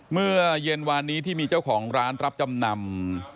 เมื่อเย็นวานนี้ที่มีเจ้าของร้านรับจำนำ